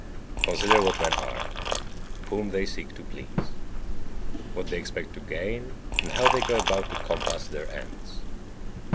59. Consider what men are; whom they seek to please; what they expect to gain, and how they go about to compass their ends.